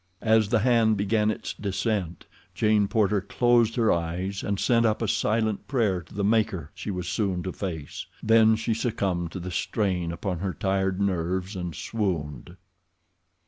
As the hand began its descent, Jane Porter closed her eyes and sent up a silent prayer to the Maker she was so soon to face—then she succumbed to the strain upon her tired nerves, and swooned.